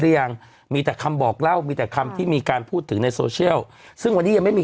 ยังมีแต่คำบอกเล่ามีแต่คำที่มีการพูดถึงในโซเชียลซึ่งวันนี้ยังไม่มี